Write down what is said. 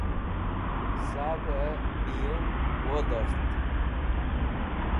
Savey Miyum Wodort